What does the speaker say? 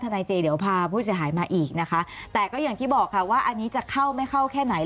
นายเจเดี๋ยวพาผู้เสียหายมาอีกนะคะแต่ก็อย่างที่บอกค่ะว่าอันนี้จะเข้าไม่เข้าแค่ไหน